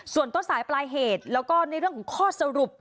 ส่วนต้นสายปลายเหตุแล้วก็ในเรื่องของข้อสรุป